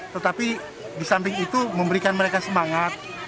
tetapi di samping itu memberikan mereka semangat